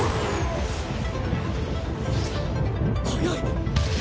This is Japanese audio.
速い！